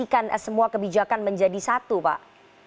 untuk bisa mengintegrasikan semua kebijakan menjadi satu pak